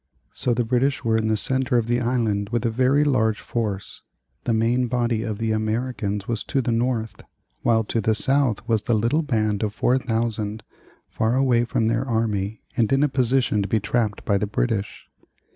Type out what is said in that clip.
So the British were in the centre of the island with a very large force; the main body of the Americans was to the north; while to the south was this little band of 4,000, far away from their army and in a position to be trapped by the British.